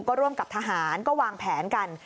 ก็ร่วมกับทหารก็วางแผนกัน